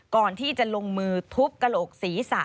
ก่อนที่จะลงมือทุบกระโหลกศีรษะ